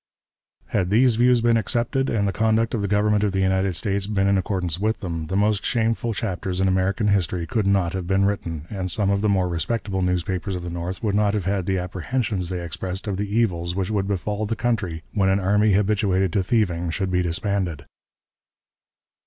Had these views been accepted, and the conduct of the Government of the United States been in accordance with them, the most shameful chapters in American history could not have been written, and some of the more respectable newspapers of the North would not have had the apprehensions they expressed of the evils which would befall the country when an army habituated to thieving should be disbanded.